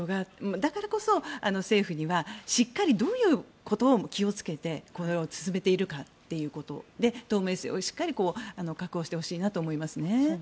だからこそ政府にはしっかりどういうことを気をつけてこれを進めているかということで透明性をしっかり確保してほしいなと思います。